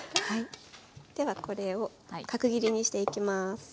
ではこれを角切りにしていきます。